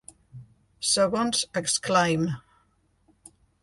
Segons Exclaim!